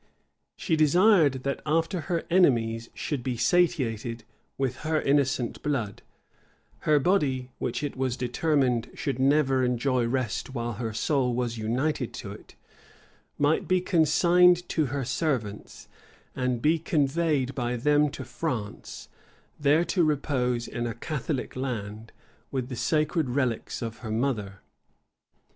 She desired, that after her enemies should be satiated with her innocent blood, her body, which it was determined should never enjoy rest while her soul was united to it, might be consigned to her servants, and be conveyed by them into France, there to repose in a Catholic land, with the sacred relics of her mother.